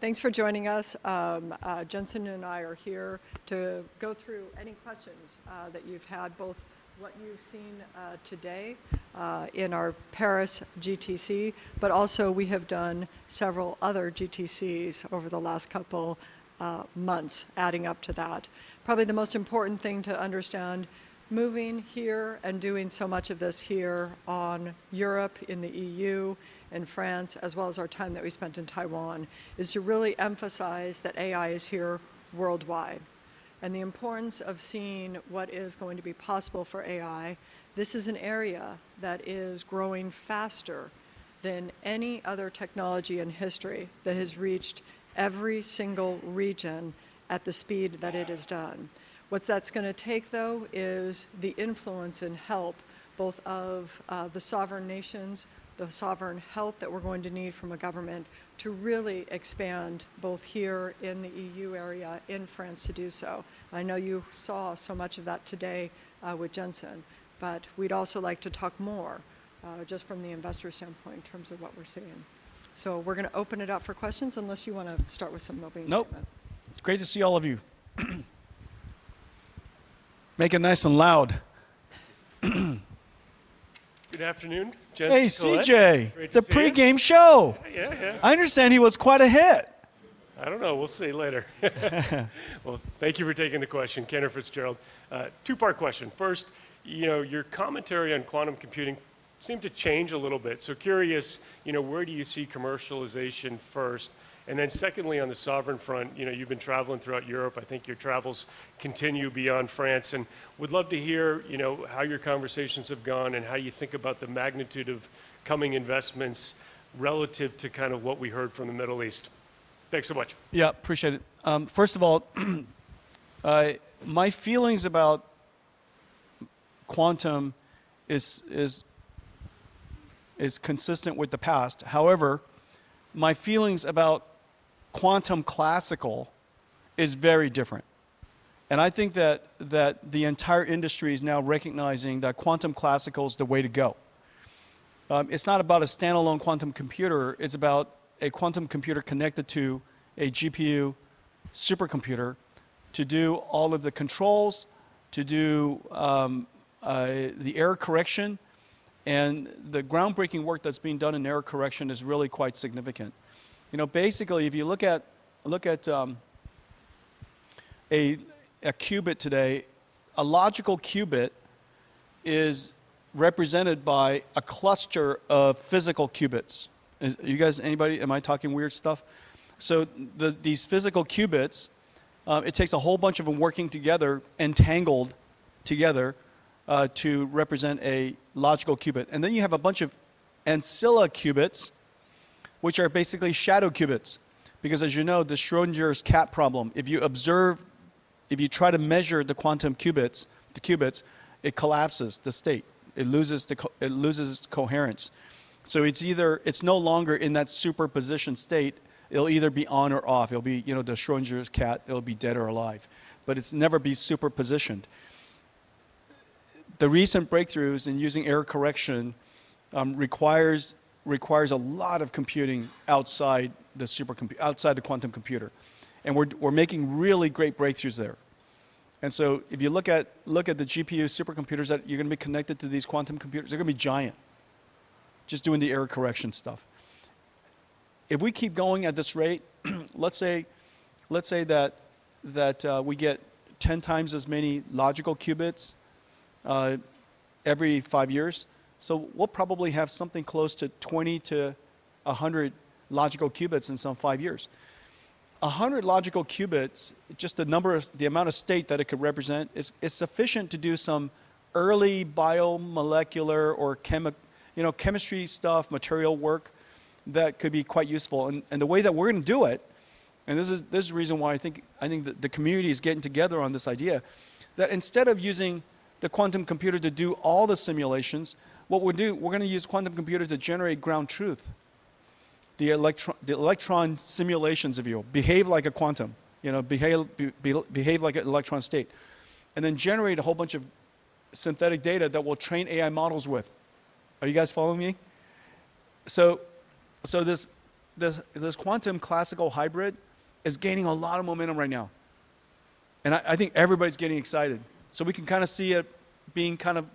Thanks for joining us. Jensen and I are here to go through any questions that you've had, both what you've seen today in our Paris GTC, but also we have done several other GTCs over the last couple of months adding up to that. Probably the most important thing to understand moving here and doing so much of this here in Europe in the EU and France, as well as our time that we spent in Taiwan, is to really emphasize that AI is here worldwide. The importance of seeing what is going to be possible for AI. This is an area that is growing faster than any other technology in history that has reached every single region at the speed that it has done. What that's going to take, though, is the influence and help both of the sovereign nations, the sovereign help that we're going to need from a government to really expand both here in the EU area in France to do so. I know you saw so much of that today with Jensen, but we'd also like to talk more just from the investor standpoint in terms of what we're seeing. We're going to open it up for questions unless you want to start with some moving equipment. Nope. Great to see all of you. Make it nice and loud. Good afternoon, Jensen Huang. Hey, CJ, the pregame show. Yeah, yeah. I understand he was quite a hit. I don't know. We'll see later. Thank you for taking the question, Cantor Fitzgerald. Two-part question. First, your commentary on quantum computing seemed to change a little bit. Curious, where do you see commercialization first? Secondly, on the sovereign front, you've been traveling throughout Europe. I think your travels continue beyond France. Would love to hear how your conversations have gone and how you think about the magnitude of coming investments relative to what we heard from the Middle East. Thanks so much. Yeah, appreciate it. First of all, my feelings about quantum is consistent with the past. However, my feelings about quantum classical is very different. I think that the entire industry is now recognizing that quantum classical is the way to go. It's not about a standalone quantum computer. It's about a quantum computer connected to a GPU supercomputer to do all of the controls, to do the error correction. The groundbreaking work that's being done in error correction is really quite significant. Basically, if you look at a qubit today, a logical qubit is represented by a cluster of physical qubits. You guys, anybody, am I talking weird stuff? These physical qubits, it takes a whole bunch of them working together, entangled together to represent a logical qubit. Then you have a bunch of Ancilla qubits, which are basically shadow qubits. Because as you know, the Schrödinger's cat problem, if you observe, if you try to measure the quantum qubits, the qubits, it collapses the state. It loses coherence. It is either no longer in that superposition state. It will either be on or off. It will be the Schrödinger's cat. It will be dead or alive. But it is never in superposition. The recent breakthroughs in using error correction require a lot of computing outside the quantum computer. We are making really great breakthroughs there. If you look at the GPU supercomputers that are going to be connected to these quantum computers, they are going to be giant just doing the error correction stuff. If we keep going at this rate, let's say that we get 10 times as many logical qubits every five years. We will probably have something close to 20 logical qubits-100 logical qubits in some five years. 100 logical qubits, just the number of the amount of state that it could represent is sufficient to do some early biomolecular or chemistry stuff, material work that could be quite useful. The way that we're going to do it, and this is the reason why I think the community is getting together on this idea, that instead of using the quantum computer to do all the simulations, what we'll do, we're going to use quantum computers to generate ground truth. The electron simulations of you behave like a quantum, behave like an electron state, and then generate a whole bunch of synthetic data that we'll train AI models with. Are you guys following me? This quantum classical hybrid is gaining a lot of momentum right now. I think everybody's getting excited. We can kind of see it being kind of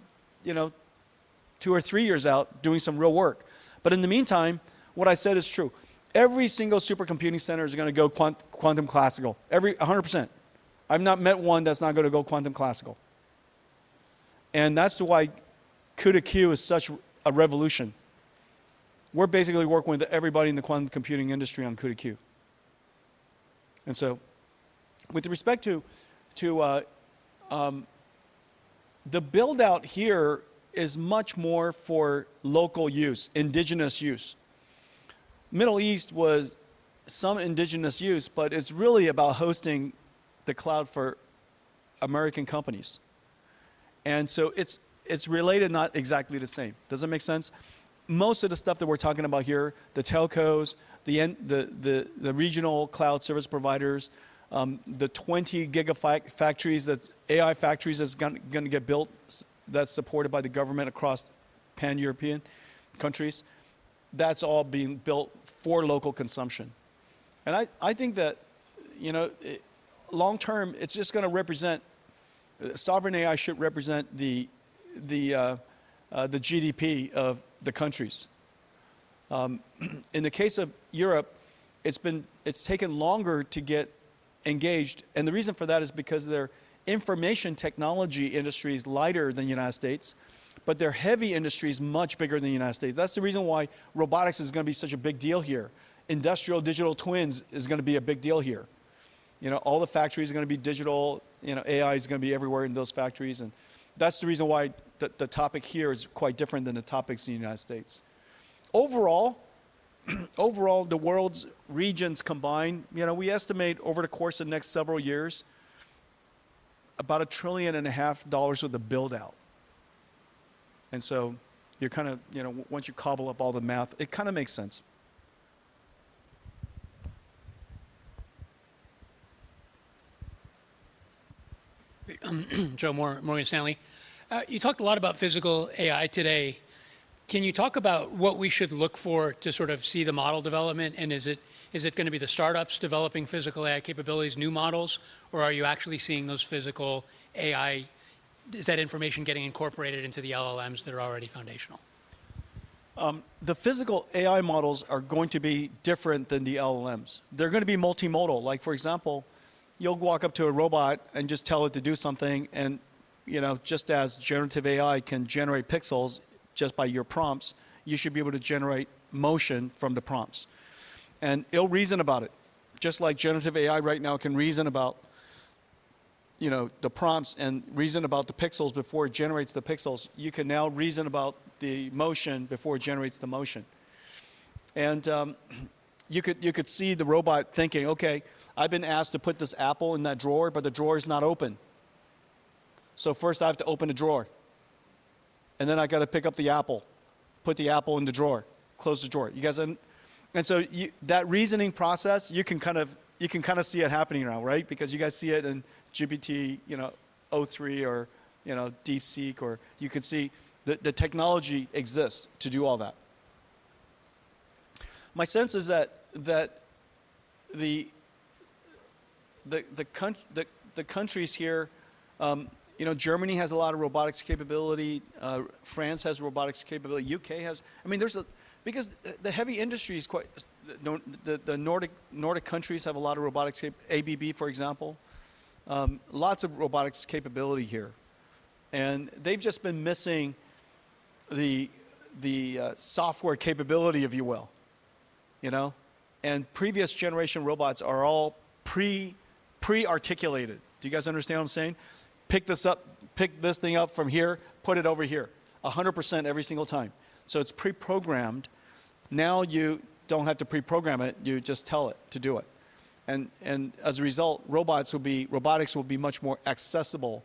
two or three years out doing some real work. In the meantime, what I said is true. Every single supercomputing center is going to go quantum classical, 100%. I've not met one that's not going to go quantum classical. That is why CUDA-Q is such a revolution. We're basically working with everybody in the quantum computing industry on CUDA-`Q. With respect to the buildout here, it is much more for local use, indigenous use. Middle East was some indigenous use, but it's really about hosting the cloud for American companies. It is related, not exactly the same. Does that make sense? Most of the stuff that we're talking about here, the telcos, the regional cloud service providers, the 20 gigafactories, the AI factories that's going to get built that's supported by the government across pan-European countries, that's all being built for local consumption. I think that long term, it's just going to represent sovereign AI should represent the GDP of the countries. In the case of Europe, it's taken longer to get engaged. The reason for that is because their information technology industry is lighter than the United States, but their heavy industry is much bigger than the United States. That's the reason why robotics is going to be such a big deal here. Industrial digital twins is going to be a big deal here. All the factories are going to be digital. AI is going to be everywhere in those factories. That's the reason why the topic here is quite different than the topics in the U.S. Overall, the world's regions combined, we estimate over the course of the next several years about $1.5 trillion with the buildout. Once you cobble up all the math, it kind of makes sense. Joe, Morgan Stanley, you talked a lot about physical AI today. Can you talk about what we should look for to sort of see the model development? Is it going to be the startups developing physical AI capabilities, new models, or are you actually seeing those physical AI? Is that information getting incorporated into the LLMs that are already foundational? The physical AI models are going to be different than the LLMs. They're going to be multimodal. Like, for example, you'll walk up to a robot and just tell it to do something. Just as generative AI can generate pixels just by your prompts, you should be able to generate motion from the prompts. It'll reason about it. Just like generative AI right now can reason about the prompts and reason about the pixels before it generates the pixels, you can now reason about the motion before it generates the motion. You could see the robot thinking, "OK, I've been asked to put this apple in that drawer, but the drawer is not open. First I have to open the drawer. I got to pick up the apple, put the apple in the drawer, close the drawer." That reasoning process, you can kind of see it happening now, right? You guys see it in GPT-3 or DeepSeek, or you can see the technology exists to do all that. My sense is that the countries here, Germany has a lot of robotics capability. France has robotics capability. The U.K. has. I mean, because the heavy industry is quite—the Nordic countries have a lot of robotics, ABB, for example, lots of robotics capability here. They've just been missing the software capability, if you will. Previous generation robots are all pre-articulated. Do you guys understand what I'm saying? Pick this thing up from here, put it over here, 100% every single time. It's pre-programmed. Now you don't have to pre-program it. You just tell it to do it. As a result, robots will be, robotics will be much more accessible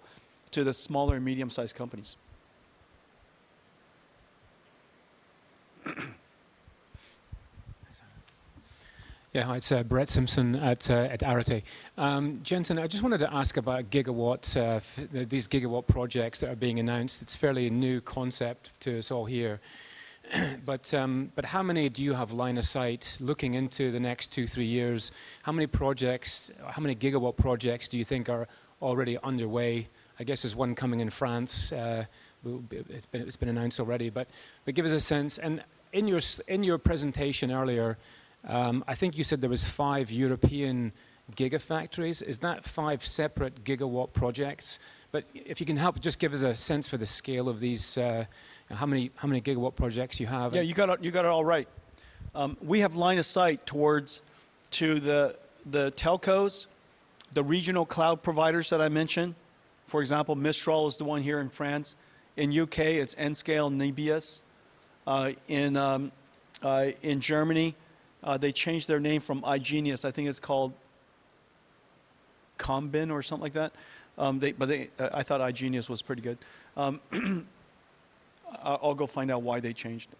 to the smaller and medium-sized companies. Yeah, hi, it's Brett Simpson at Arete. Jensen, I just wanted to ask about these gigawatt projects that are being announced. It's fairly a new concept to us all here. How many do you have line of sight looking into the next two, three years? How many gigawatt projects do you think are already underway? I guess there's one coming in France. It's been announced already. Give us a sense. In your presentation earlier, I think you said there were five European gigafactories. Is that five separate gigawatt projects? If you can help just give us a sense for the scale of these, how many gigawatt projects you have. Yeah, you got it all right. We have line of sight towards the telcos, the regional cloud providers that I mentioned. For example, Mistral is the one here in France. In the U.K., it's Nscale and Nebius. In Germany, they changed their name from iGenious. I think it's called Donym or something like that. I thought iGenious was pretty good. I'll go find out why they changed.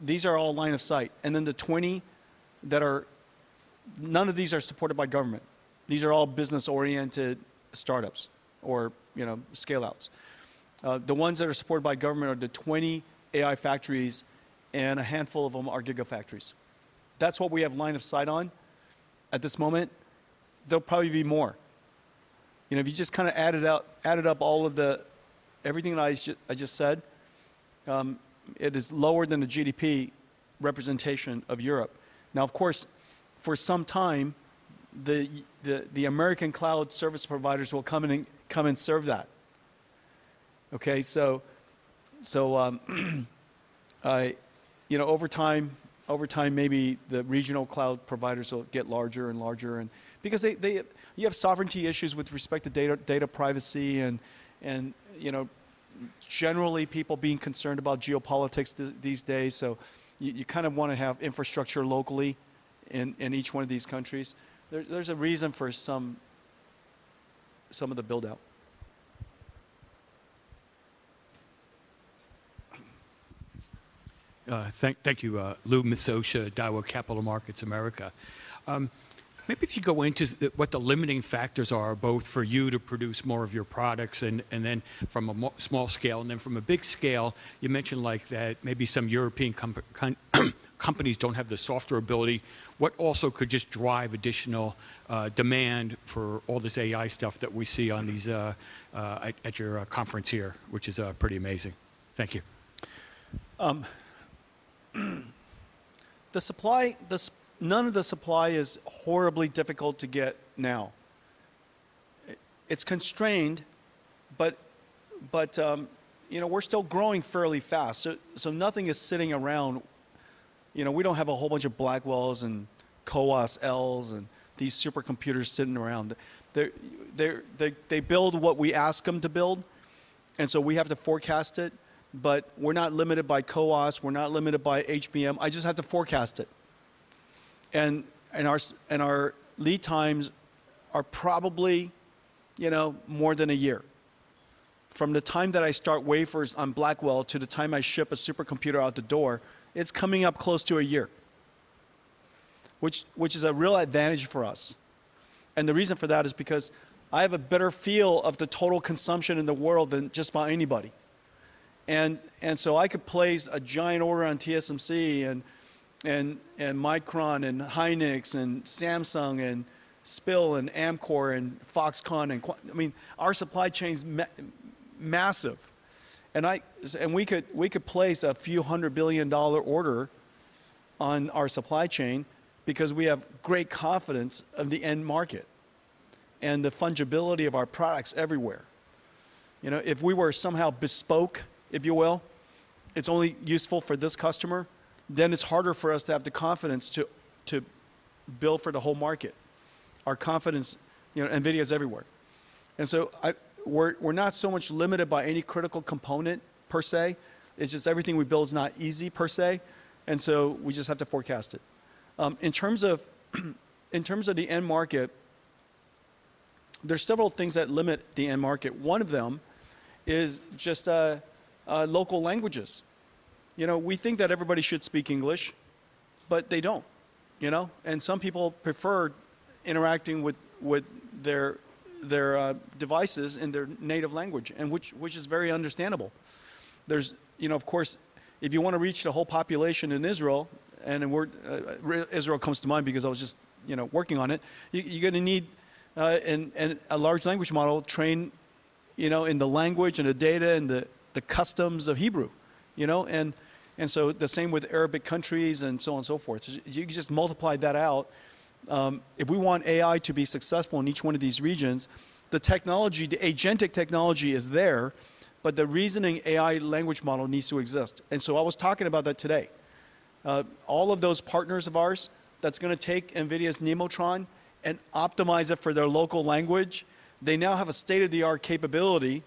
These are all line of sight. The 20 that are none of these are supported by government. These are all business-oriented startups or scale-outs. The ones that are supported by government are the 20 AI factories, and a handful of them are gigafactories. That is what we have line of sight on at this moment. There will probably be more. If you just kind of added up all of everything I just said, it is lower than the GDP representation of Europe. Now, of course, for some time, the American cloud service providers will come and serve that. Over time, maybe the regional cloud providers will get larger and larger. Because you have sovereignty issues with respect to data privacy and generally people being concerned about geopolitics these days. You kind of want to have infrastructure locally in each one of these countries. There's a reason for some of the buildout. Thank you, Lou Miscioscia, Daiwa Capital Markets America. Maybe if you go into what the limiting factors are both for you to produce more of your products and then from a small scale and then from a big scale, you mentioned that maybe some European companies do not have the software ability. What also could just drive additional demand for all this AI stuff that we see at your conference here, which is pretty amazing? Thank you. The supply, none of the supply is horribly difficult to get now. It's constrained, but we're still growing fairly fast. Nothing is sitting around. We don't have a whole bunch of Blackwells and CoWoS, ELs, and these supercomputers sitting around. They build what we ask them to build. We have to forecast it. We're not limited by CoWoS. We're not limited by HBM. I just have to forecast it. Our lead times are probably more than a year. From the time that I start wafers on Blackwell to the time I ship a supercomputer out the door, it's coming up close to a year, which is a real advantage for us. The reason for that is because I have a better feel of the total consumption in the world than just about anybody. I could place a giant order on TSMC and Micron and Hynix and Samsung and SPIL and Amkor and Foxconn. I mean, our supply chain is massive. I could place a few hundred billion dollar order on our supply chain because we have great confidence of the end market and the fungibility of our products everywhere. If we were somehow bespoke, if you will, it's only useful for this customer, then it's harder for us to have the confidence to build for the whole market. Our confidence, NVIDIA is everywhere. We're not so much limited by any critical component, per se. It's just everything we build is not easy, per se. We just have to forecast it. In terms of the end market, there are several things that limit the end market. One of them is just local languages. We think that everybody should speak English, but they do not. Some people prefer interacting with their devices in their native language, which is very understandable. Of course, if you want to reach the whole population in Israel, and Israel comes to mind because I was just working on it, you are going to need a large language model trained in the language and the data and the customs of Hebrew. The same with Arabic countries and so on and so forth. You just multiply that out. If we want AI to be successful in each one of these regions, the technology, the agentic technology is there, but the reasoning AI language model needs to exist. I was talking about that today. All of those partners of ours that are going to take NVIDIA's Nemotron and optimize it for their local language now have a state-of-the-art capability.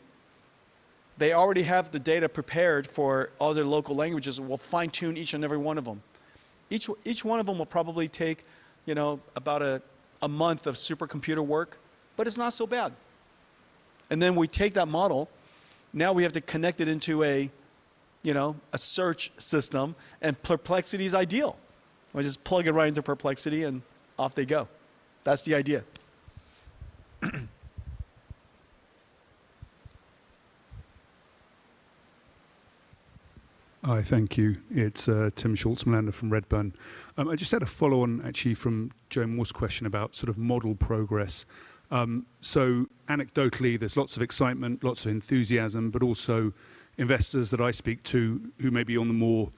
They already have the data prepared for all their local languages. We'll fine-tune each and every one of them. Each one of them will probably take about a month of supercomputer work, but it's not so bad. We take that model. Now we have to connect it into a search system, and Perplexity is ideal. We just plug it right into Perplexity, and off they go. That's the idea. Hi, thank you. It's Timm Schulze-Melander from Redburn. I just had a follow-on, actually, from Joe Moore's question about sort of model progress. Anecdotally, there's lots of excitement, lots of enthusiasm, but also investors that I speak to who may be on the more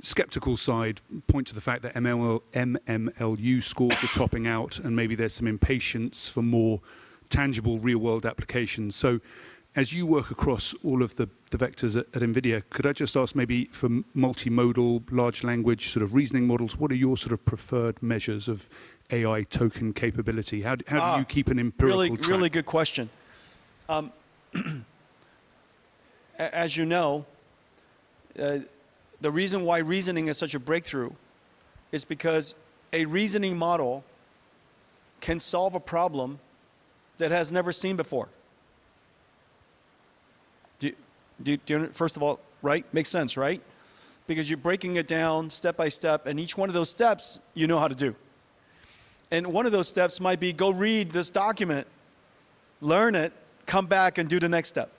skeptical side point to the fact that MMLU scores are topping out, and maybe there's some impatience for more tangible real-world applications. As you work across all of the vectors at NVIDIA, could I just ask maybe for multimodal, large language sort of reasoning models, what are your sort of preferred measures of AI token capability? How do you keep an empirical track? Really good question. As you know, the reason why reasoning is such a breakthrough is because a reasoning model can solve a problem that it has never seen before. First of all, right? Makes sense, right? Because you're breaking it down step by step, and each one of those steps you know how to do. One of those steps might be go read this document, learn it, come back, and do the next step.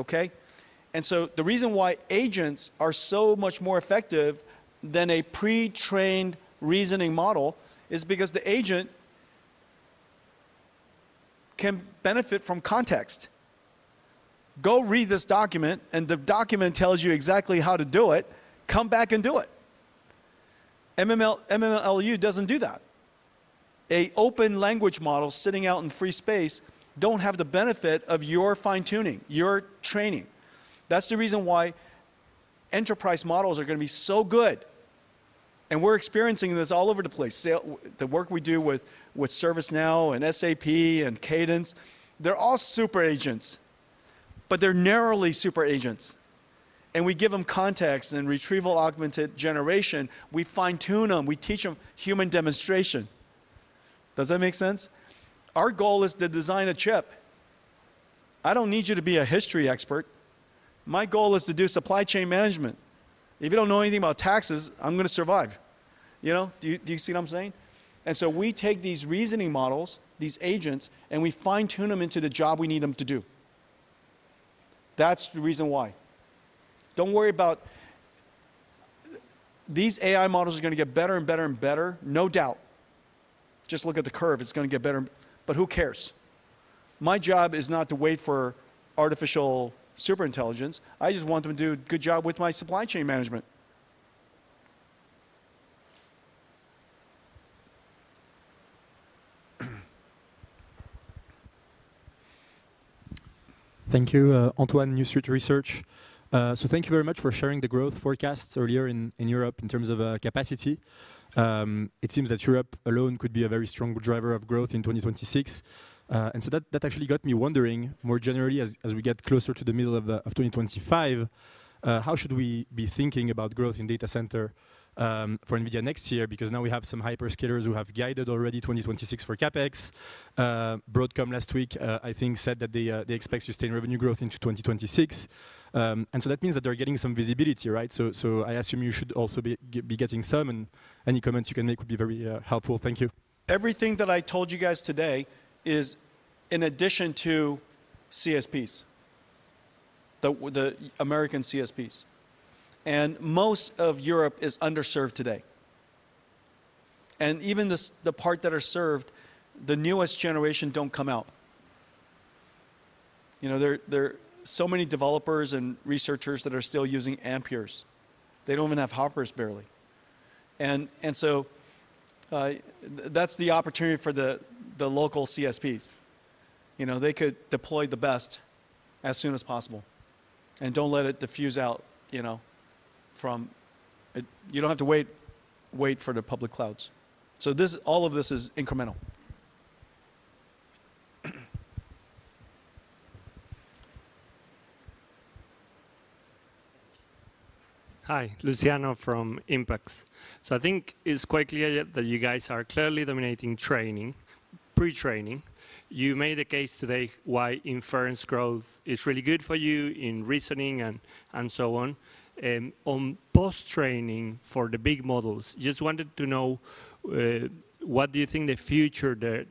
The reason why agents are so much more effective than a pre-trained reasoning model is because the agent can benefit from context. Go read this document, and the document tells you exactly how to do it. Come back and do it. MMLU does not do that. An open language model sitting out in free space does not have the benefit of your fine-tuning, your training. That's the reason why enterprise models are going to be so good. We're experiencing this all over the place. The work we do with ServiceNow and SAP and Cadence, they're all super agents, but they're narrowly super agents. We give them context and retrieval augmented generation. We fine-tune them. We teach them human demonstration. Does that make sense? Our goal is to design a chip. I don't need you to be a history expert. My goal is to do supply chain management. If you don't know anything about taxes, I'm going to survive. Do you see what I'm saying? We take these reasoning models, these agents, and we fine-tune them into the job we need them to do. That's the reason why. Don't worry about these AI models. They're going to get better and better and better, no doubt. Just look at the curve. It's going to get better. Who cares? My job is not to wait for artificial superintelligence. I just want them to do a good job with my supply chain management. Thank you, Antoine, New Street Research. Thank you very much for sharing the growth forecasts earlier in Europe in terms of capacity. It seems that Europe alone could be a very strong driver of growth in 2026. That actually got me wondering more generally as we get closer to the middle of 2025, how should we be thinking about growth in data center for NVIDIA next year? Because now we have some hyperscalers who have guided already 2026 for CapEx. Broadcom last week, I think, said that they expect sustained revenue growth into 2026. That means that they're getting some visibility, right? I assume you should also be getting some. Any comments you can make would be very helpful. Thank you. Everything that I told you guys today is in addition to CSPs, the American CSPs. Most of Europe is underserved today. Even the part that is served, the newest generation does not come out. There are so many developers and researchers that are still using Amperes. They do not even have Hoppers, barely. That is the opportunity for the local CSPs. They could deploy the best as soon as possible. Do not let it diffuse out. You do not have to wait for the public clouds. All of this is incremental. Hi, Luciano from Impax. I think it's quite clear that you guys are clearly dominating training, pre-training. You made a case today why inference growth is really good for you in reasoning and so on. On post-training for the big models, I just wanted to know what do you think the future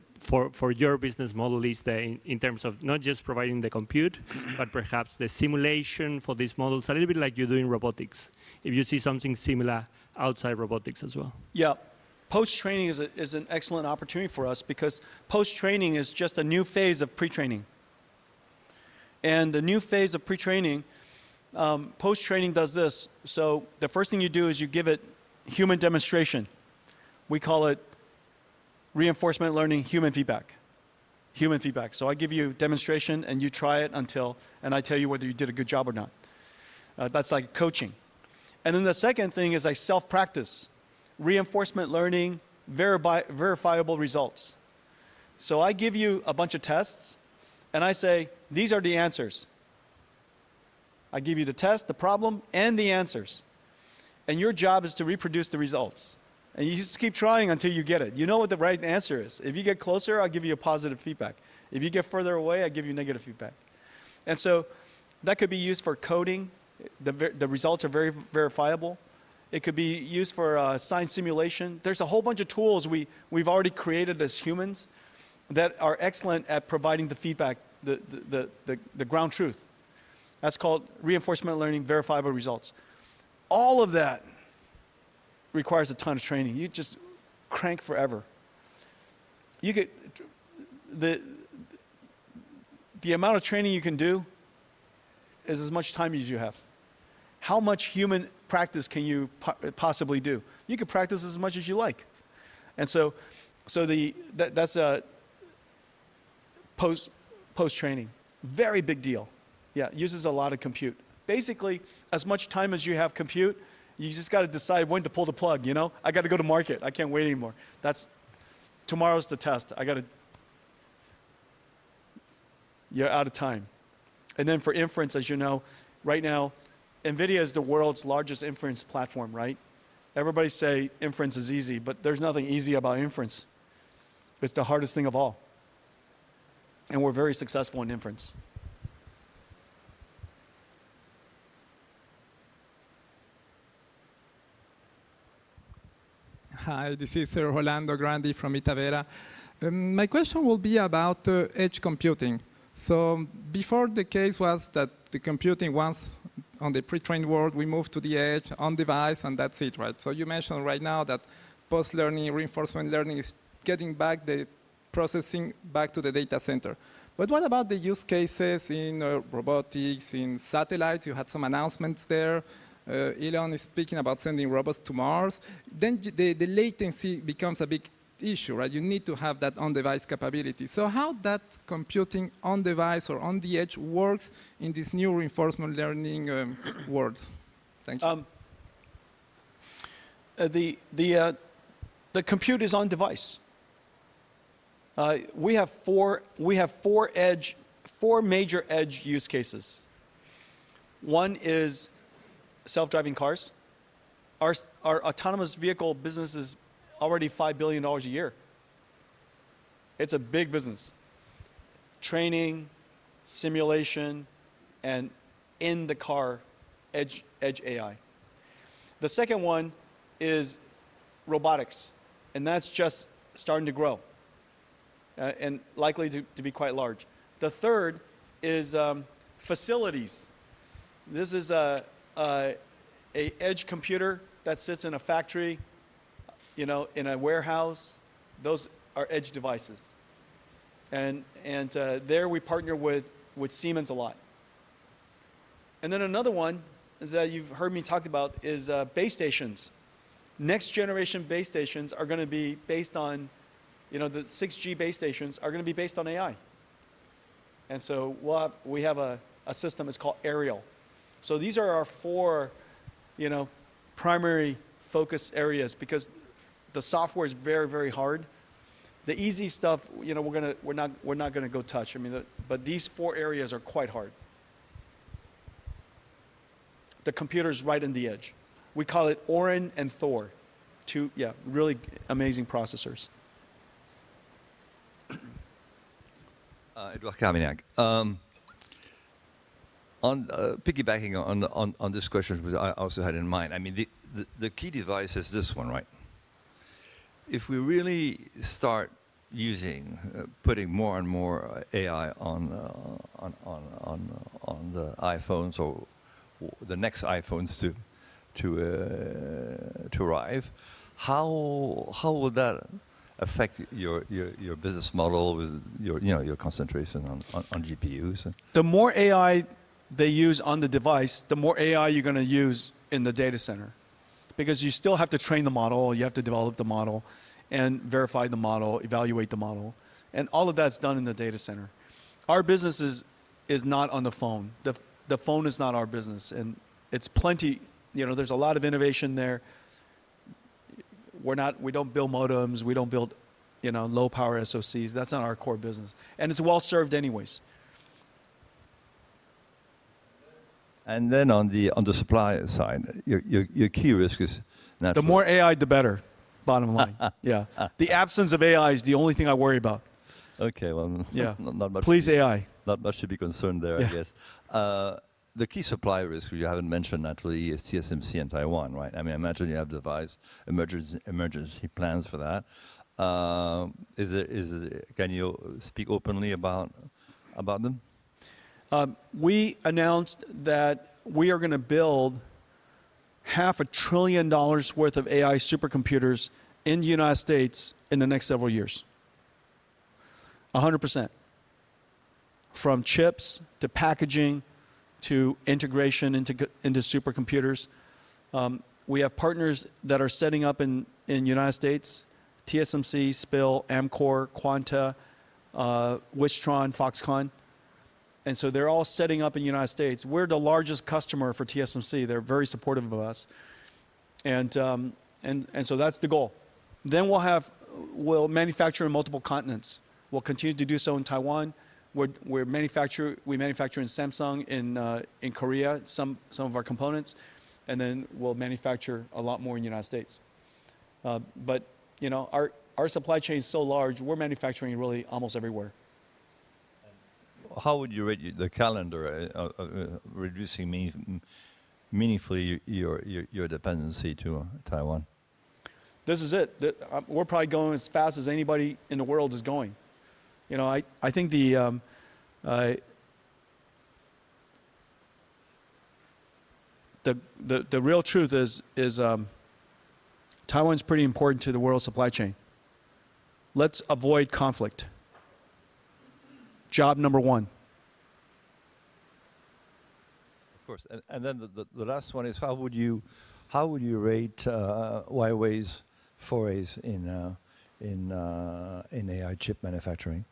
for your business model is in terms of not just providing the compute, but perhaps the simulation for these models, a little bit like you're doing robotics, if you see something similar outside robotics as well. Yeah. Post-training is an excellent opportunity for us because post-training is just a new phase of pre-training. The new phase of pre-training, post-training does this. The first thing you do is you give it human demonstration. We call it reinforcement learning human feedback, human feedback. I give you demonstration, and you try it until I tell you whether you did a good job or not. That's like coaching. The second thing is like self-practice, reinforcement learning, verifiable results. I give you a bunch of tests, and I say, these are the answers. I give you the test, the problem, and the answers. Your job is to reproduce the results. You just keep trying until you get it. You know what the right answer is. If you get closer, I'll give you a positive feedback. If you get further away, I'll give you negative feedback. That could be used for coding. The results are very verifiable. It could be used for a science simulation. There is a whole bunch of tools we've already created as humans that are excellent at providing the feedback, the ground truth. That's called reinforcement learning, verifiable results. All of that requires a ton of training. You just crank forever. The amount of training you can do is as much time as you have. How much human practice can you possibly do? You can practice as much as you like. That is post-training, very big deal. Yeah, uses a lot of compute. Basically, as much time as you have compute, you just have to decide when to pull the plug. I have to go to market. I can't wait anymore. Tomorrow is the test. You're out of time. For inference, as you know, right now, NVIDIA is the world's largest inference platform, right? Everybody says inference is easy, but there's nothing easy about inference. It's the hardest thing of all. And we're very successful in inference. Hi, this is Rolando Grandi from Itavera. My question will be about edge computing. Before, the case was that the computing was on the pre-trained world, we moved to the edge on device, and that's it, right? You mentioned right now that post-learning, reinforcement learning is getting back the processing back to the data center. What about the use cases in robotics, in satellites? You had some announcements there. Elon is speaking about sending robots to Mars. The latency becomes a big issue, right? You need to have that on-device capability. How does that computing on-device or on the edge work in this new reinforcement learning world? Thank you. The compute is on-device. We have four major edge use cases. One is self-driving cars. Our autonomous vehicle business is already $5 billion a year. It's a big business: training, simulation, and in the car, edge AI. The second one is robotics, and that's just starting to grow and likely to be quite large. The third is facilities. This is an edge computer that sits in a factory, in a warehouse. Those are edge devices. There we partner with Siemens a lot. Another one that you've heard me talk about is base stations. Next-generation base stations are going to be based on the 6G base stations are going to be based on AI. We have a system that's called Ariel. These are our four primary focus areas because the software is very, very hard. The easy stuff, we're not going to go touch. These four areas are quite hard. The computer's right on the edge. We call it Orin and Thor, two really amazing processors. Edward Kamenak, piggybacking on this question I also had in mind, I mean, the key device is this one, right? If we really start using, putting more and more AI on the iPhones or the next iPhones to arrive, how would that affect your business model with your concentration on GPUs? The more AI they use on the device, the more AI you're going to use in the data center. You still have to train the model. You have to develop the model and verify the model, evaluate the model. All of that is done in the data center. Our business is not on the phone. The phone is not our business. There is a lot of innovation there. We do not build modems. We do not build low-power SOCs. That is not our core business. It is well-served anyways. On the supply side, your key risk is naturally. The more AI, the better, bottom line. Yeah. The absence of AI is the only thing I worry about. Okay. Not much. Yeah. Please, AI. Not much to be concerned there, I guess. The key supply risk you haven't mentioned naturally is TSMC and Taiwan, right? I mean, I imagine you have emergency plans for that. Can you speak openly about them? We announced that we are going to build $500 billion worth of AI supercomputers in the U.S. in the next several years, 100%, from chips to packaging to integration into supercomputers. We have partners that are setting up in the United States: TSMC, SPIL, Amkor, Quanta, Wistron, Foxconn. They are all setting up in the United States. We are the largest customer for TSMC. They are very supportive of us. That is the goal. We will manufacture in multiple continents. We will continue to do so in Taiwan. We manufacture in Samsung in Korea, some of our components. We will manufacture a lot more in the United States. Our supply chain is so large, we are manufacturing really almost everywhere. How would you rate the calendar reducing meaningfully your dependency to Taiwan? This is it. We're probably going as fast as anybody in the world is going. I think the real truth is Taiwan's pretty important to the world supply chain. Let's avoid conflict. Job number one. Of course. And then the last one is how would you rate Huawei's forays in AI chip manufacturing?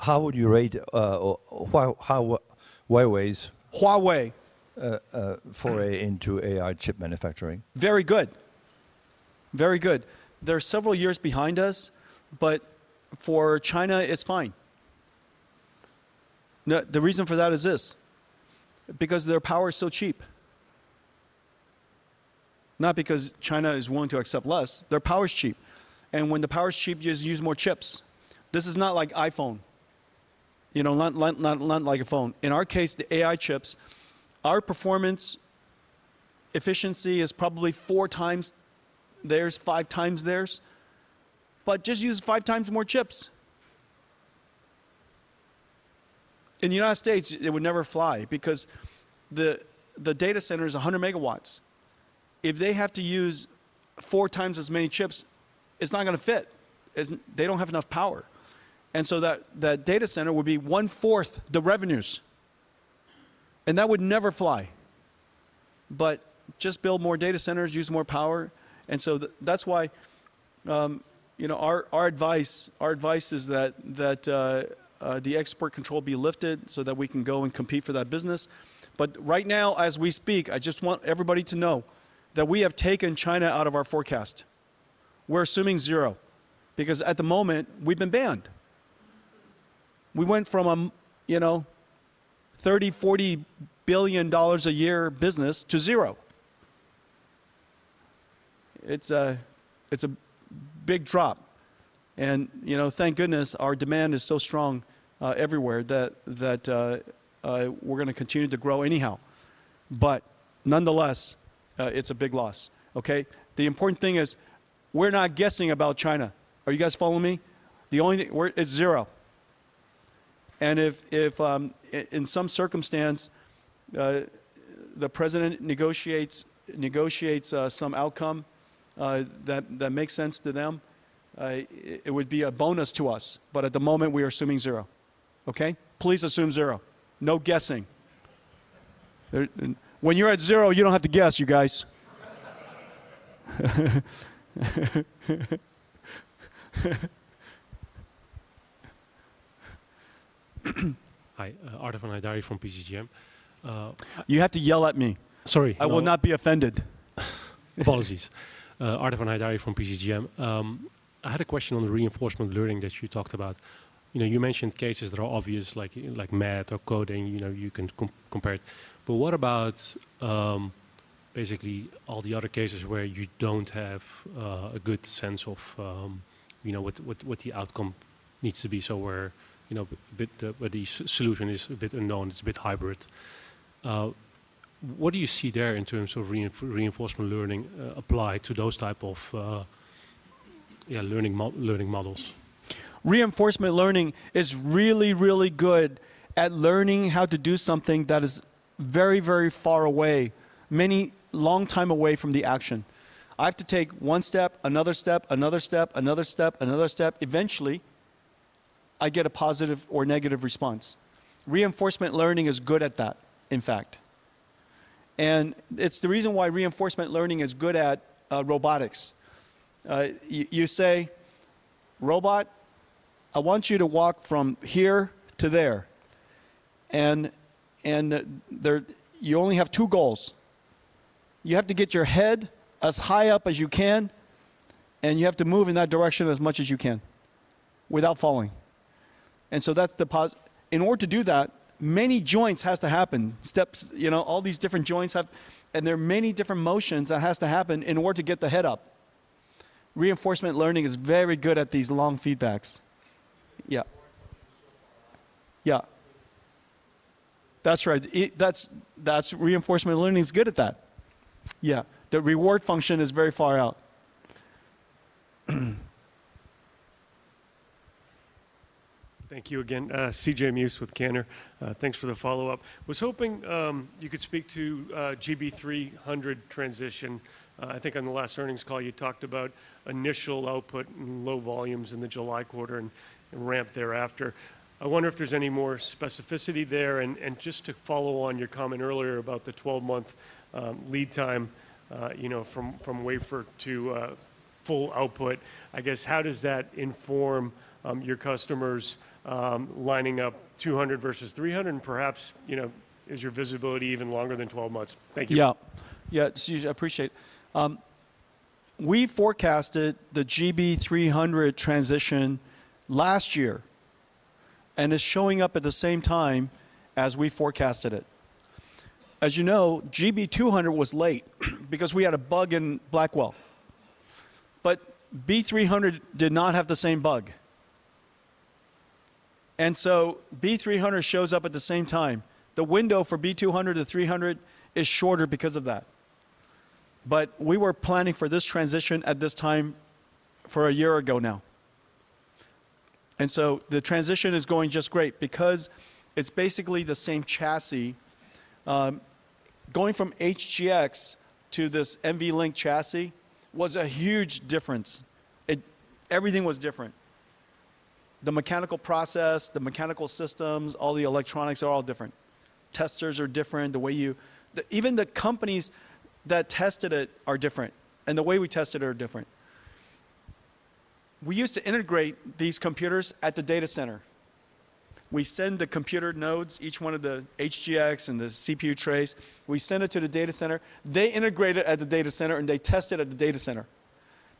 How would you rate Huawei's foray into AI chip manufacturing? Very good. Very good. There are several years behind us, but for China, it's fine. The reason for that is this. Because their power is so cheap. Not because China is willing to accept less. Their power is cheap. And when the power is cheap, you just use more chips. This is not like iPhone, not like a phone. In our case, the AI chips, our performance efficiency is probably four times theirs, five times theirs. But just use five times more chips. In the United States, it would never fly because the data center is 100 MW. If they have to use four times as many chips, it's not going to fit. They do not have enough power. That data center would be one-fourth the revenues. That would never fly. Just build more data centers, use more power. That is why our advice is that the export control be lifted so that we can go and compete for that business. Right now, as we speak, I just want everybody to know that we have taken China out of our forecast. We are assuming zero. Because at the moment, we have been banned. We went from a $30 billion-$40 billion a year business to zero. It is a big drop. Thank goodness our demand is so strong everywhere that we are going to continue to grow anyhow. Nonetheless, it is a big loss, okay? The important thing is we are not guessing about China. Are you guys following me? It is zero. If in some circumstance the president negotiates some outcome that makes sense to them, it would be a bonus to us. At the moment, we are assuming zero, okay? Please assume zero. No guessing. When you're at zero, you don't have to guess, you guys. Hi, Ardavan Haidari from PGGM. You have to yell at me. Sorry. I will not be offended. Apologies. Ardavan Haidari from PGGM. I had a question on the reinforcement learning that you talked about. You mentioned cases that are obvious, like math or coding. You can compare it. What about basically all the other cases where you do not have a good sense of what the outcome needs to be? Where the solution is a bit unknown, it is a bit hybrid. What do you see there in terms of reinforcement learning applied to those types of learning models? Reinforcement learning is really, really good at learning how to do something that is very, very far away, many long time away from the action. I have to take one step, another step, another step, another step, another step. Eventually, I get a positive or negative response. Reinforcement learning is good at that, in fact. It is the reason why reinforcement learning is good at robotics. You say, "Robot, I want you to walk from here to there." You only have two goals. You have to get your head as high up as you can, and you have to move in that direction as much as you can without falling. In order to do that, many joints have to happen, steps, all these different joints. There are many different motions that have to happen in order to get the head up. Reinforcement learning is very good at these long feedbacks. Yeah. Yeah. That's right. Reinforcement learning is good at that. Yeah. The reward function is very far out. Thank you again. CJ Muse with Cantor. Thanks for the follow-up. I was hoping you could speak to GB300 transition. I think on the last earnings call, you talked about initial output and low volumes in the July quarter and ramp thereafter. I wonder if there's any more specificity there. Just to follow on your comment earlier about the 12-month lead time from wafer to full output, I guess, how does that inform your customers lining up 200 versus 300? Perhaps is your visibility even longer than 12 months? Thank you. Yeah. Yeah. I appreciate it. We forecasted the GB300 transition last year, and it's showing up at the same time as we forecasted it. As you know, GB200 was late because we had a bug in Blackwell. But B300 did not have the same bug. And so B300 shows up at the same time. The window for B200 to 300 is shorter because of that. But we were planning for this transition at this time for a year ago now. And so the transition is going just great because it's basically the same chassis. Going from HGX to this NVLink chassis was a huge difference. Everything was different. The mechanical process, the mechanical systems, all the electronics are all different. Testers are different. Even the companies that tested it are different. And the way we tested it are different. We used to integrate these computers at the data center. We send the computer nodes, each one of the HGX and the CPU trays. We send it to the data center. They integrate it at the data center, and they test it at the data center.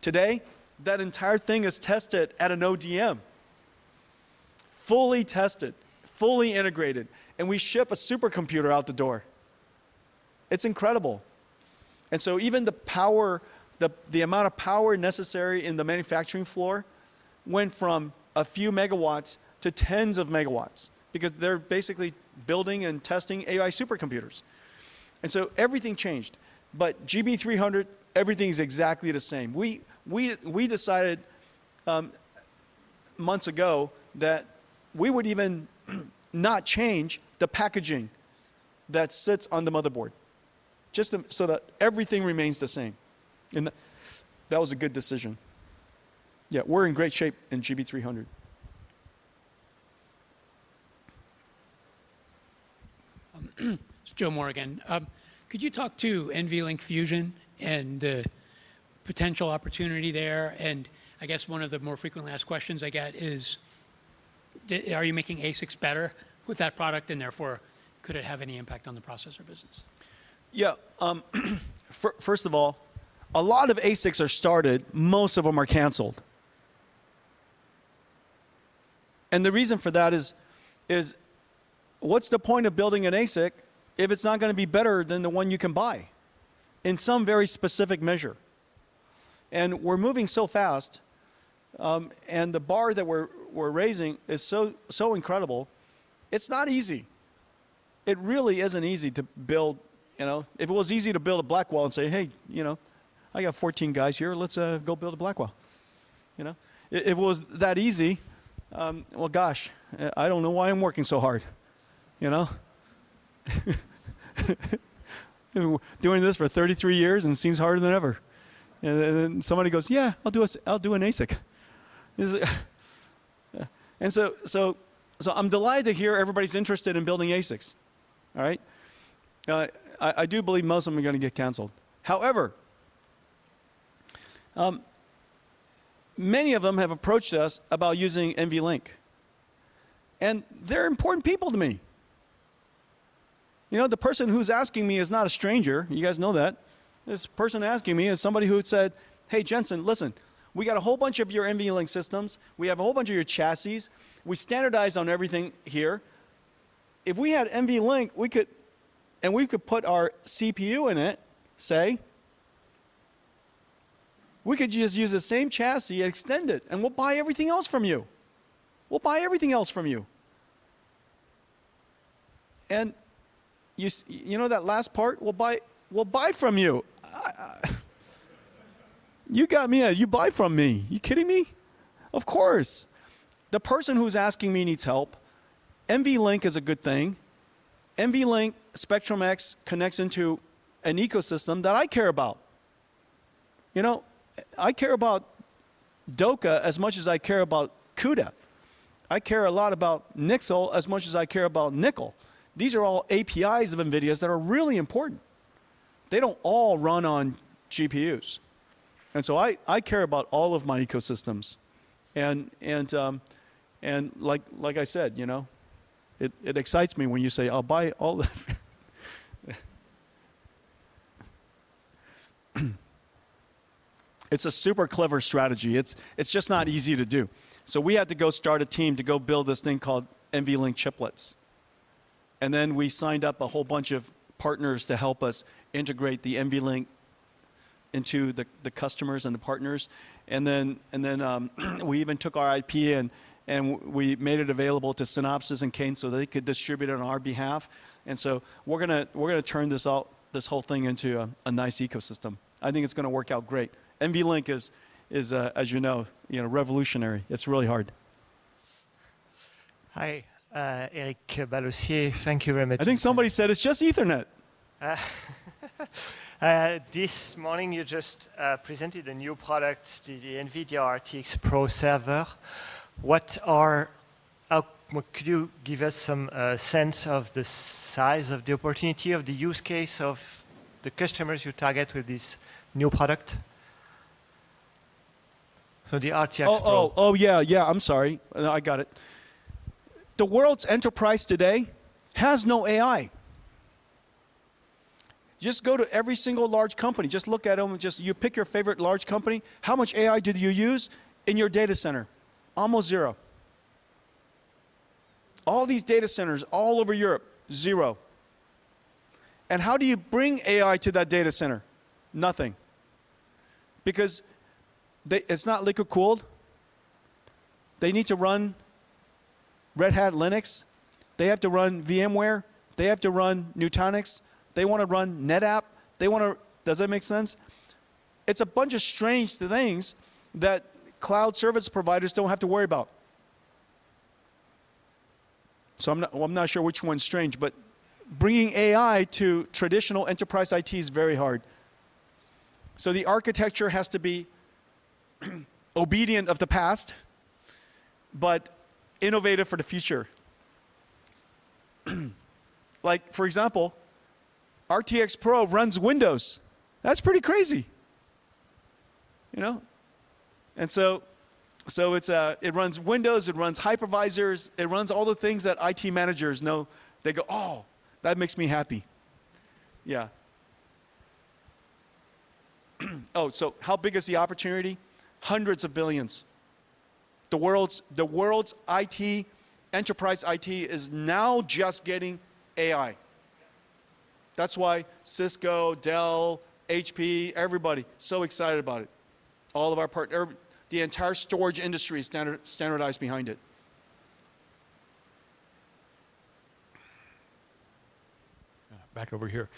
Today, that entire thing is tested at an ODM, fully tested, fully integrated. We ship a supercomputer out the door. It is incredible. Even the amount of power necessary in the manufacturing floor went from a few megawatts to tens of megawatts because they are basically building and testing AI supercomputers. Everything changed. GB300, everything is exactly the same. We decided months ago that we would even not change the packaging that sits on the motherboard just so that everything remains the same. That was a good decision. Yeah. We are in great shape in GB300. This is Joe Morgan. Could you talk to NVLink Fusion and the potential opportunity there? I guess one of the more frequently asked questions I get is, are you making ASICs better with that product? Therefore, could it have any impact on the processor business? Yeah. First of all, a lot of ASICs are started. Most of them are canceled. The reason for that is, what's the point of building an ASIC if it's not going to be better than the one you can buy in some very specific measure? We're moving so fast. The bar that we're raising is so incredible. It's not easy. It really isn't easy to build. If it was easy to build a Blackwell and say, "Hey, I got 14 guys here. Let's go build a Blackwell." If it was that easy, gosh, I don't know why I'm working so hard. Doing this for 33 years, and it seems harder than ever. Somebody goes, "Yeah, I'll do an ASIC." I'm delighted to hear everybody's interested in building ASICs, all right? I do believe most of them are going to get canceled. However, many of them have approached us about using NVLink. They're important people to me. The person who's asking me is not a stranger. You guys know that. This person asking me is somebody who had said, "Hey, Jensen, listen. We got a whole bunch of your NVLink systems. We have a whole bunch of your chassis. We standardize on everything here. If we had NVLink, and we could put our CPU in it, say, we could just use the same chassis and extend it. And we'll buy everything else from you. We'll buy everything else from you." You know that last part? "We'll buy from you." You got me out. You buy from me. You kidding me? Of course. The person who's asking me needs help. NVLink is a good thing. NVLink Spectrum X connects into an ecosystem that I care about. I care about DOCA as much as I care about CUDA. I care a lot about NIXL as much as I care about NCCL. These are all APIs of NVIDIA's that are really important. They do not all run on GPUs. I care about all of my ecosystems. Like I said, it excites me when you say, "I'll buy all the..." It is a super clever strategy. It is just not easy to do. We had to go start a team to go build this thing called NVLink chiplets. We signed up a whole bunch of partners to help us integrate the NVLink into the customers and the partners. We even took our IP and made it available to Synopsys and Cadence so they could distribute it on our behalf. We are going to turn this whole thing into a nice ecosystem. I think it's going to work out great. NVLink is, as you know, revolutionary. It's really hard. Hi, Eric Balossier. Thank you very much. I think somebody said it's just Ethernet. This morning, you just presented a new product, the NVIDIA RTX Pro server. Could you give us some sense of the size of the opportunity of the use case of the customers you target with this new product? The RTX Pro. Oh, yeah, yeah. I'm sorry. I got it. The world's enterprise today has no AI. Just go to every single large company. Just look at them. You pick your favorite large company. How much AI did you use in your data center? Almost zero. All these data centers all over Europe, zero. How do you bring AI to that data center? Nothing. Because it's not liquid-cooled. They need to run Red Hat Linux. They have to run VMware. They have to run Nutanix. They want to run NetApp. Does that make sense? It's a bunch of strange things that cloud service providers do not have to worry about. I'm not sure which one's strange. Bringing AI to traditional enterprise IT is very hard. The architecture has to be obedient of the past but innovative for the future. For example, RTX Pro runs Windows. That's pretty crazy. It runs Windows. It runs hypervisors. It runs all the things that IT managers know. They go, "Oh, that makes me happy." Yeah. Oh, how big is the opportunity? Hundreds of billions. The world's enterprise IT is now just getting AI. That's why Cisco, Dell, HP, everybody is so excited about it. The entire storage industry is standardized behind it. Back over here.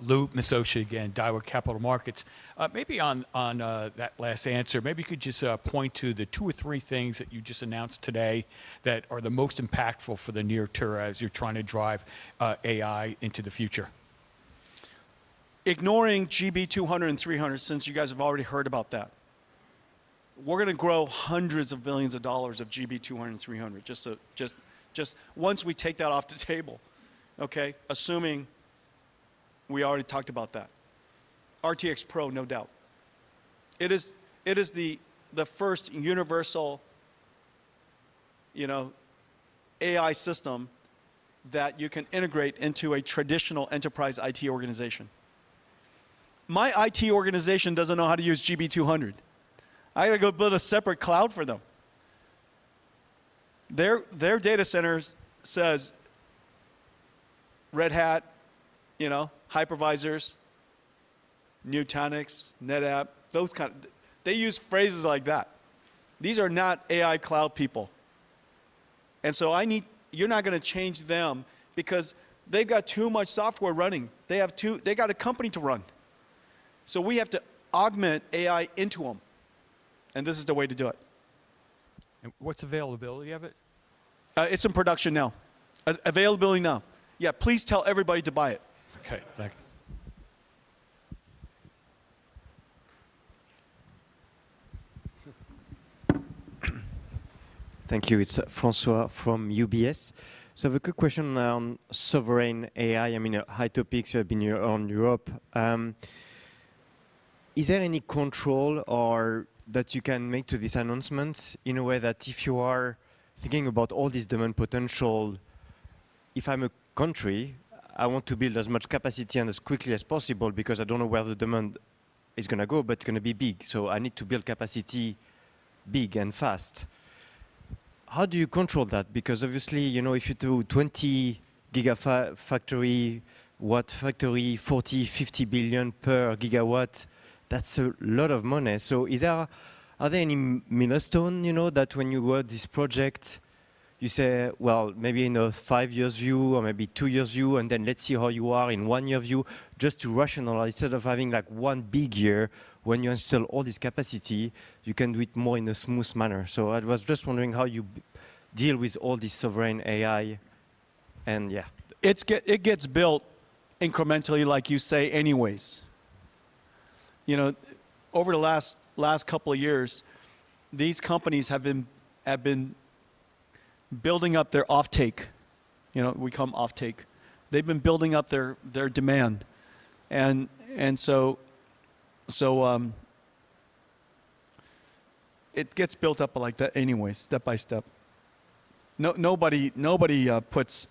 Lou miscioscia again, Daiwa Capital Markets. Maybe on that last answer, maybe you could just point to the two or three things that you just announced today that are the most impactful for the near term as you're trying to drive AI into the future. Ignoring GB200 and 300, since you guys have already heard about that, we're going to grow hundreds of billions of dollars of GB200 and 300 just once we take that off the table, okay, assuming we already talked about that. RTX Pro, no doubt. It is the first universal AI system that you can integrate into a traditional enterprise IT organization. My IT organization doesn't know how to use GB200. I got to go build a separate cloud for them. Their data centers say, "Red Hat, hypervisors, Nutanix, NetApp." They use phrases like that. These are not AI cloud people. You are not going to change them because they've got too much software running. They got a company to run. We have to augment AI into them. This is the way to do it. What is availability of it? It's in production now. Availability now. Yeah. Please tell everybody to buy it. Okay. Thank you. Thank you. It's François from UBS. I have a quick question on sovereign AI. I mean, high topics. You have been here in Europe. Is there any control that you can make to this announcement in a way that if you are thinking about all this demand potential, if I'm a country, I want to build as much capacity and as quickly as possible because I don't know where the demand is going to go, but it's going to be big. I need to build capacity big and fast. How do you control that? Because obviously, if you do 20 gigafactory, watt factory, $40 billion-$`50 billion per gigawatt, that's a lot of money. Are there any milestones that when you work this project, you say, "Well, maybe in a five-year view or maybe two-year view, and then let's see how you are in one-year view," just to rationalize instead of having one big year when you install all this capacity, you can do it more in a smooth manner? I was just wondering how you deal with all this sovereign AI. And yeah. It gets built incrementally, like you say, anyways. Over the last couple of years, these companies have been building up their offtake. We call them offtake. They've been building up their demand. It gets built up like that anyway, step by step. Nobody puts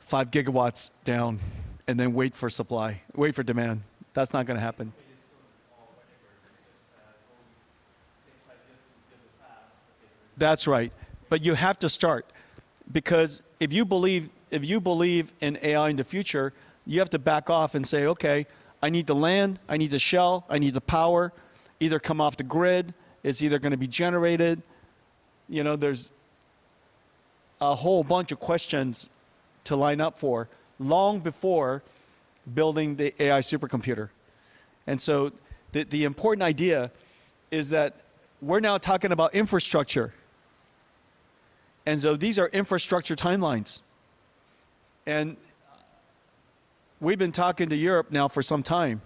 5 gigawatts down and then waits for supply, waits for demand. That's not going to happen. That's right. You have to start. If you believe in AI in the future, you have to back off and say, "Okay, I need the land. I need the shell. I need the power. Either come off the grid. It's either going to be generated." There is a whole bunch of questions to line up for long before building the AI supercomputer. The important idea is that we're now talking about infrastructure. These are infrastructure timelines. We have been talking to Europe now for some time.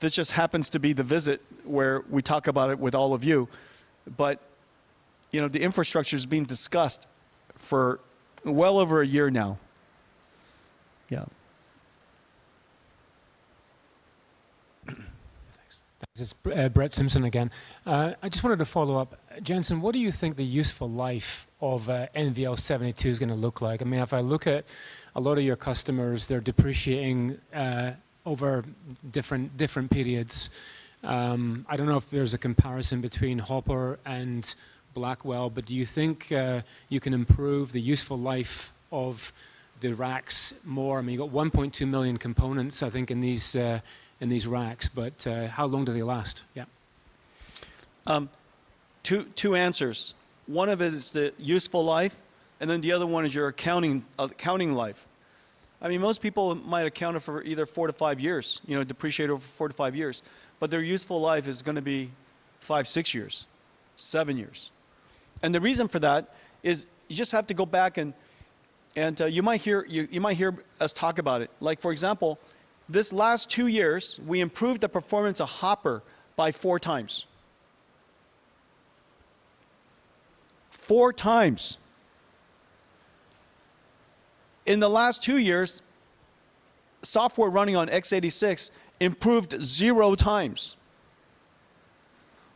This just happens to be the visit where we talk about it with all of you. The infrastructure has been discussed for well over a year now. Yeah. Thanks. This is Brett Simpson again. I just wanted to follow up. Jensen, what do you think the useful life of NVL72 is going to look like? I mean, if I look at a lot of your customers, they're depreciating over different periods. I don't know if there's a comparison between Hopper and Blackwell, but do you think you can improve the useful life of the racks more? I mean, you've got 1.2 million components, I think, in these racks. But how long do they last? Yeah. Two answers. One of it is the useful life, and then the other one is your accounting life. I mean, most people might account for either four to five years, depreciate over four to five years. But their useful life is going to be five, six years, seven years. The reason for that is you just have to go back. You might hear us talk about it. For example, this last two years, we improved the performance of Hopper by four times. Four times. In the last two years, software running on x86 improved zero times.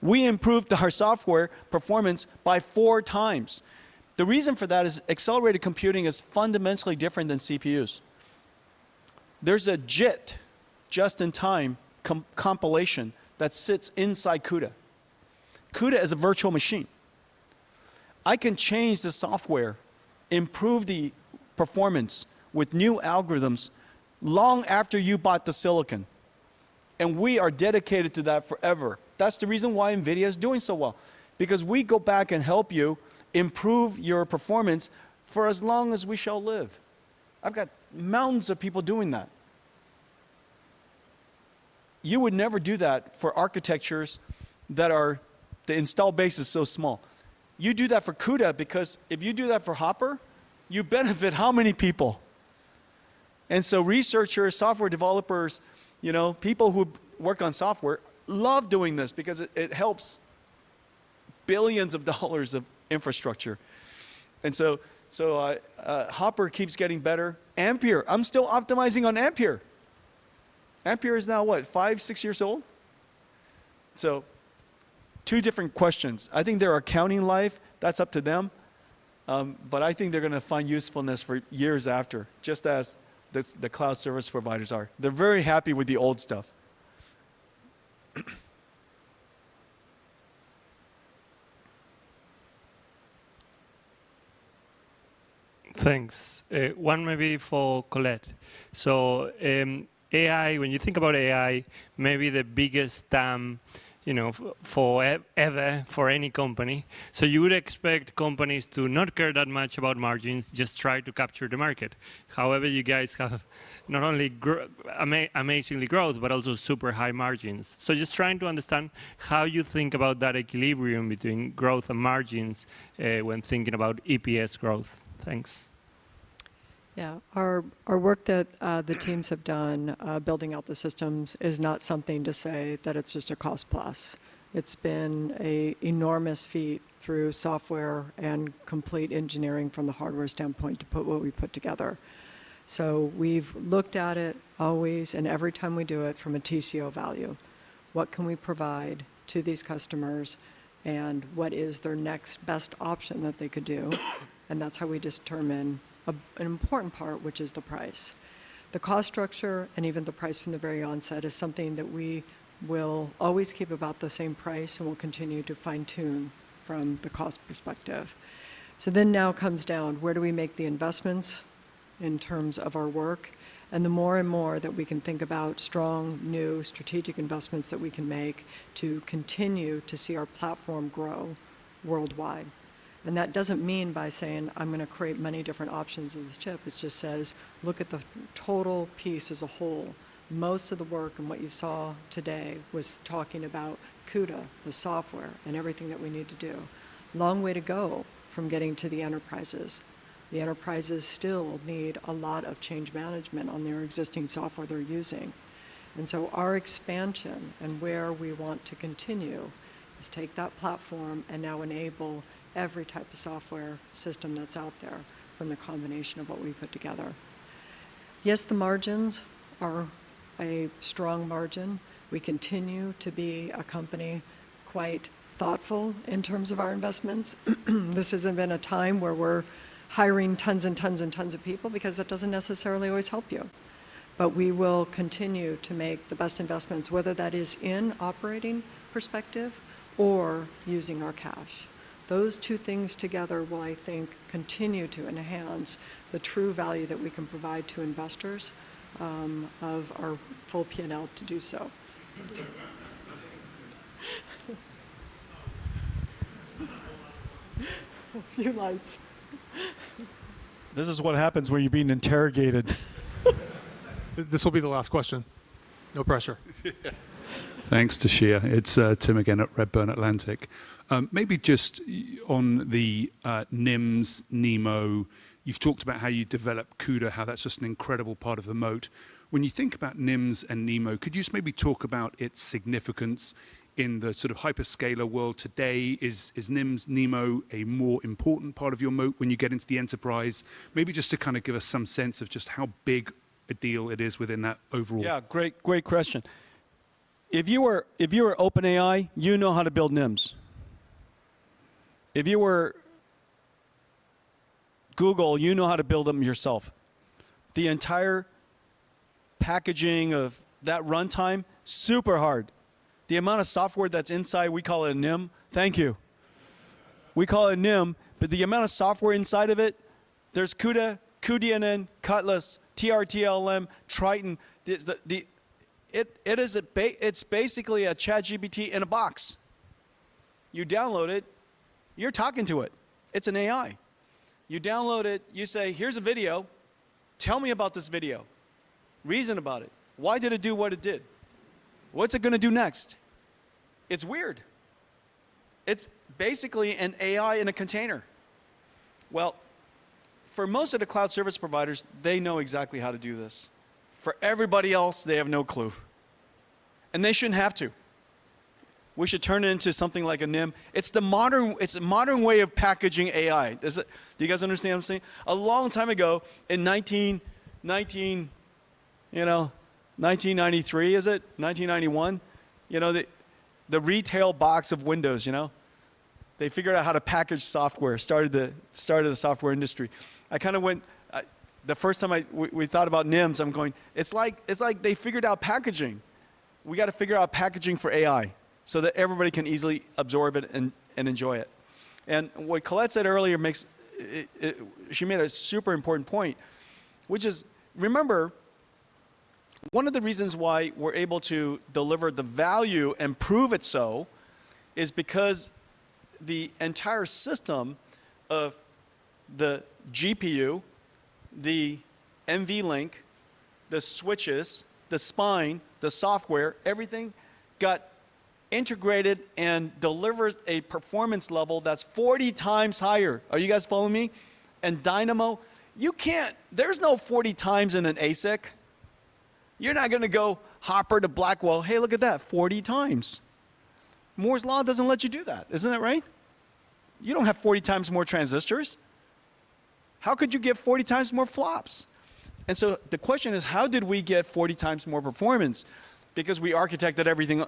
We improved our software performance by four times. The reason for that is accelerated computing is fundamentally different than CPUs. There is a JIT, Just-in-Time compilation, that sits inside CUDA. CUDA is a virtual machine. I can change the software, improve the performance with new algorithms long after you bought the silicon. We are dedicated to that forever. That is the reason why NVIDIA is doing so well. Because we go back and help you improve your performance for as long as we shall live. I have got mountains of people doing that. You would never do that for architectures where the install base is so small. You do that for CUDA because if you do that for Hopper, you benefit how many people? Researchers, software developers, people who work on software love doing this because it helps billions of dollars of infrastructure. Hopper keeps getting better. Ampere. I am still optimizing on Ampere. Ampere is now, what, five, six years old? Two different questions. I think their accounting life, that is up to them. I think they are going to find usefulness for years after, just as the cloud service providers are. They're very happy with the old stuff. Thanks. One maybe for Colette. When you think about AI, maybe the biggest dam forever for any company. You would expect companies to not care that much about margins, just try to capture the market. However, you guys have not only amazing growth, but also super high margins. Just trying to understand how you think about that equilibrium between growth and margins when thinking about EPS growth. Thanks. Yeah. Our work that the teams have done building out the systems is not something to say that it's just a cost plus. It's been an enormous feat through software and complete engineering from the hardware standpoint to put what we put together. We have looked at it always and every time we do it from a TCO value. What can we provide to these customers? What is their next best option that they could do? That's how we determine an important part, which is the price. The cost structure and even the price from the very onset is something that we will always keep about the same price and will continue to fine-tune from the cost perspective. Now comes down, where do we make the investments in terms of our work? The more and more that we can think about strong, new strategic investments that we can make to continue to see our platform grow worldwide. That does not mean by saying, "I'm going to create many different options on this chip." It just says, "Look at the total piece as a whole." Most of the work and what you saw today was talking about CUDA, the software, and everything that we need to do. Long way to go from getting to the enterprises. The enterprises still need a lot of change management on their existing software they're using. Our expansion and where we want to continue is take that platform and now enable every type of software system that's out there from the combination of what we put together. Yes, the margins are a strong margin. We continue to be a company quite thoughtful in terms of our investments. This has not been a time where we are hiring tons and tons and tons of people because that does not necessarily always help you. We will continue to make the best investments, whether that is in operating perspective or using our cash. Those two things together will, I think, continue to enhance the true value that we can provide to investors of our full P&L to do so. A few lights. This is what happens when you're being interrogated. This will be the last question. No pressure. Thanks, Toshiya. It's Timm again at Redburn Atlantic. Maybe just on the NIMs, NeMo. You've talked about how you develop CUDA, how that's just an incredible part of the moat. When you think about NIMs and NeMo, could you just maybe talk about its significance in the sort of hyperscaler world today? Is NIMs, NeMo a more important part of your moat when you get into the enterprise? Maybe just to kind of give us some sense of just how big a deal it is within that overall. Yeah. Great question. If you were OpenAI, you know how to build NIMs. If you were Google, you know how to build them yourself. The entire packaging of that runtime, super hard. The amount of software that's inside, we call it a NIM. Thank you. We call it a NIM. But the amount of software inside of it, there's CUDA, cuDNN, CUTLASS, TensorRT LLM, Triton. It's basically a ChatGPT in a box. You download it. You're talking to it. It's an AI. You download it. You say, "Here's a video. Tell me about this video. Reason about it. Why did it do what it did? What's it going to do next?" It's weird. It's basically an AI in a container. For most of the cloud service providers, they know exactly how to do this. For everybody else, they have no clue. And they shouldn't have to. We should turn it into something like a NIM. It's the modern way of packaging AI. Do you guys understand what I'm saying? A long time ago, in 1993, is it? 1991? The retail box of Windows, you know? They figured out how to package software, started the software industry. I kind of went the first time we thought about NIMs, I'm going, "It's like they figured out packaging. We got to figure out packaging for AI so that everybody can easily absorb it and enjoy it." What Colette said earlier, she made a super important point, which is, remember, one of the reasons why we're able to deliver the value and prove it so is because the entire system of the GPU, the NVLink, the switches, the spine, the software, everything got integrated and delivered a performance level that's 40 times higher. Are you guys following me? Dynamo, you can't. There's no 40 times in an ASIC. You're not going to go Hopper to Blackwell. Hey, look at that. 40 times. Moore's Law doesn't let you do that. Isn't that right? You don't have 40 times more transistors. How could you get 40 times more flops? The question is, how did we get 40 times more performance? Because we architected everything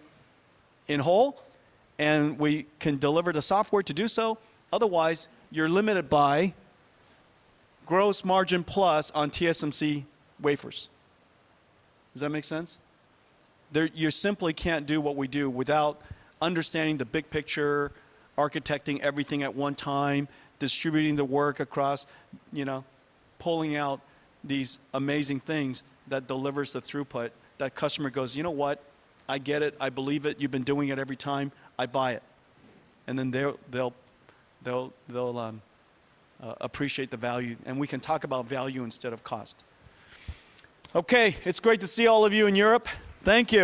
in whole, and we can deliver the software to do so. Otherwise, you're limited by gross margin plus on TSMC wafers. Does that make sense? You simply can't do what we do without understanding the big picture, architecting everything at one time, distributing the work across, pulling out these amazing things that deliver the throughput. That customer goes, "You know what? I get it. I believe it. You've been doing it every time. I buy it." They will appreciate the value. We can talk about value instead of cost. Okay. It's great to see all of you in Europe. Thank you.